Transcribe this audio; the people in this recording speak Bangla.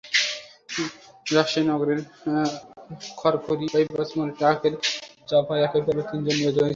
রাজশাহী নগরের খড়খড়ি বাইপাস মোড়ে ট্রাকের চাপায় একই পরিবারের তিনজন নিহত হয়েছেন।